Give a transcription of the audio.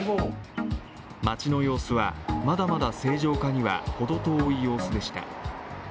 街の様子は、まだまだ正常化にはほど遠い様子でした。